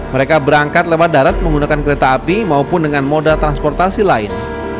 mereka berangkat lewat darat menggunakan kereta api maupun dengan moda transportasi lain